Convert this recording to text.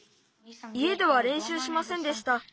いえではれんしゅうしませんでした。